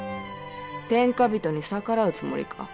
天下人に逆らうつもりか。